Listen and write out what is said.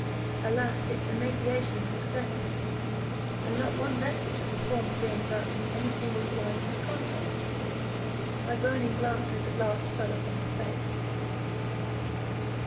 Alas! its emaciation was excessive, and not one vestige of the former being lurked in any single line of the contour. My burning glances at length fell upon the face.